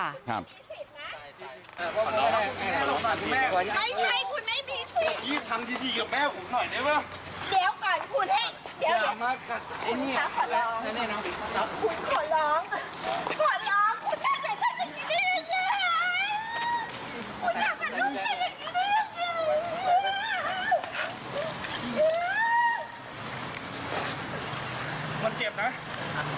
มันเจ็บนะ